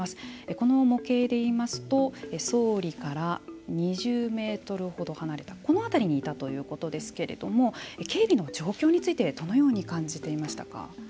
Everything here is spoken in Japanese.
この模型でいいますと総理から２０メートルほど離れたこの辺りにいたということですけれども警備の状況についてどのように感じていましたか。